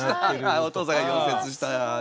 お父さんが溶接したアーチ。